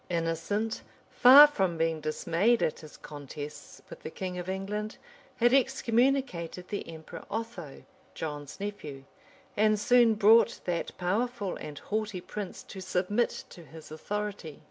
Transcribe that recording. Innocent, far from being dismayed at his contests with the king of England, had excommunicated the emperor Otho, John's nephew;[*] and soon brought that powerful and haughty prince to submit to his authority.